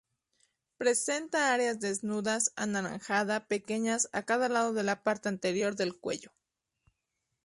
Presenta áreas desnudas anaranjada pequeñas a cada lado de la parte anterior del cuello.